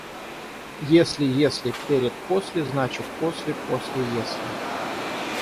Если «если» перед «после», значит «после» после «если».